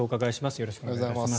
よろしくお願いします。